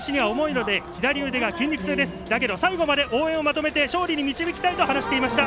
最後まで掲げて勝利に導きたいと話していました。